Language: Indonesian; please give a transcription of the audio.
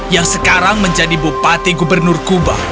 yang sekarang menjadi bupati gubernur kuba